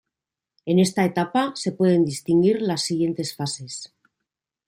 En esta etapa se pueden distinguir las siguientes fases.